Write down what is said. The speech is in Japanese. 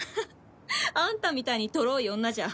あんたみたいにとろい女じゃ